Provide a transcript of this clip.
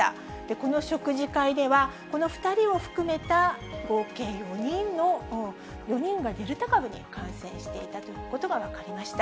この食事会では、この２人を含めた合計４人がデルタ株に感染していたということが分かりました。